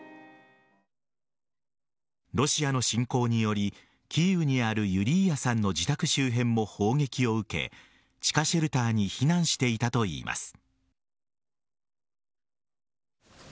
ロシアの侵攻によりキーウにあるユリーアさんの自宅周辺も砲撃を受け地下シェルターに避難していたといいます。